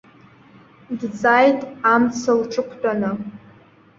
Дҵааит амца лҿықәтәаны.